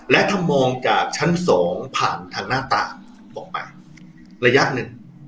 และถ้ามองจากชั้น๒ผ่านทางหน้าต่างออกไประยะหนึ่ง